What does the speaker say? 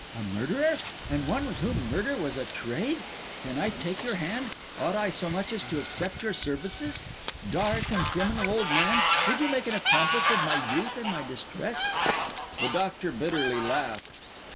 "A murderer? And one with whom murder was a trade? Can I take your hand? Ought I so much as to accept your services? Dark and criminal old man, would you make an accomplice of my youth and my distress?" The Doctor bitterly laughed.